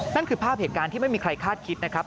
นั่นคือภาพเหตุการณ์ที่ไม่มีใครคาดคิดนะครับ